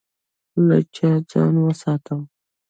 له چا ځان وساتم؟